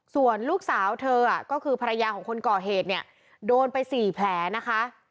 ส่วนลูกสาวเธอก็คือภรรยากงขุ่นกรเหตุโดนไปสี่แผลนะคะ